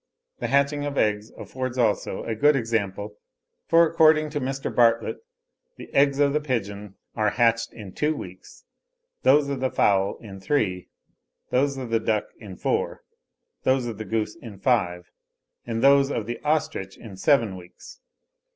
The hatching of eggs affords also a good example, for, according to Mr. Bartlett ('Land and Water,' Jan. 7, 1871), the eggs of the pigeon are hatched in two weeks; those of the fowl in three; those of the duck in four; those of the goose in five; and those of the ostrich in seven weeks.